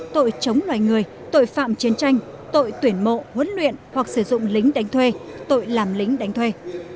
tội chống loài người tội phạm chiến tranh tội tuyển mộ huấn luyện hoặc sử dụng lính đánh thuê tội làm lính đánh thuê